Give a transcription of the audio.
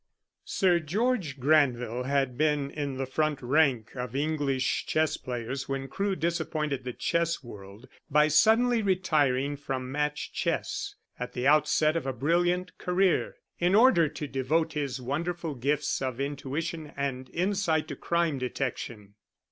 Sir George Granville had been in the front rank of English chess players when Crewe disappointed the chess world by suddenly retiring from match chess, at the outset of a brilliant career, in order to devote his wonderful gifts of intuition and insight to crime detection.